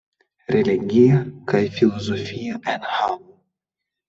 Religia kaj filozofia enhavo.